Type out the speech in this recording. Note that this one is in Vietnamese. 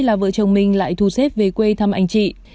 là vợ chồng mình lại thu xếp về quê thăm anh chị